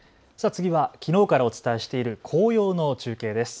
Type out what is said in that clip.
次はきのうからお伝えしている紅葉の中継です。